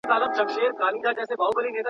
يوه ورځ كندو ته تلمه بېخبره.